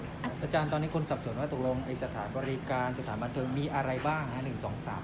ท่านตอนนี้คุณสับสนว่าตรงสถานบริการสถานบันเทิมมีอะไรบ้างนะ